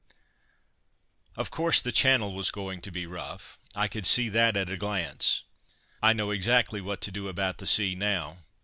Of course the Channel was going to be rough. I could see that at a glance. I know exactly what to do about the sea now.